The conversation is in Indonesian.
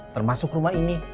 termasuk rumah ini